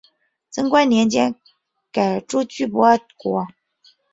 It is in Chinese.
贞观年间改朱俱波国。